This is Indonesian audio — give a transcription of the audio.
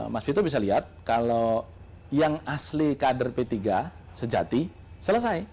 mas vito bisa lihat kalau yang asli kader p tiga sejati selesai